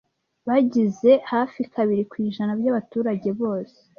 Bagize hafi kabiri ku ijana byabaturage bose.